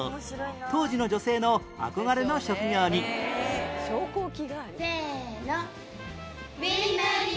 当時の女性の憧れの職業にせーの。